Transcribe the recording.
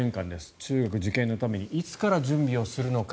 中学受験のためにいつから準備をするのか。